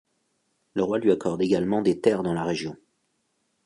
Le roi lui accorde également des terres dans la région.